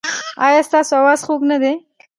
ایا ستاسو اواز خوږ نه دی؟